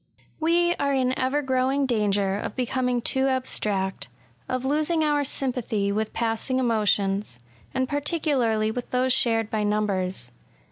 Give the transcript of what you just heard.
We are in ever growing danger of becoming too abstract, — of losing our sjrmpathy with passing emotions, — and particularly with those shared by numbers.